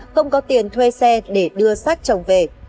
không có tiền thuê xe để đưa sách chồng về